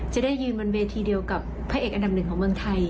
จะได้ยืนบนเวทีเดียวกับพระเอกอันดับหนึ่งของเมืองไทย